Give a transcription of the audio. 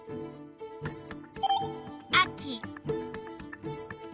秋。